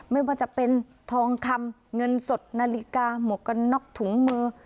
ไม่ว่าจะเป็นทองคำเงินสดนาฬิกาหมวกกันน็อกถุงมือ